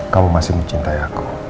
kamu masih mencintai aku